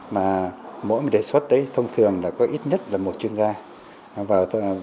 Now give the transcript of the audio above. mỗi đề xuất thông thường có ít nhất một chuyên gia